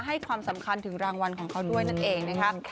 ให้ความสำคัญถึงรางวัลของเขาด้วยนั่นเองนะคะ